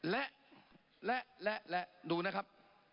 และและและและดูนะครับ